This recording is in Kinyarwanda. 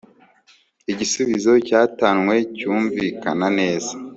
igisubizo cyatanwe cyumvikana neza